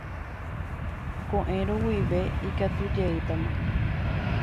Ko'ẽrõ guive ikatujeýtama.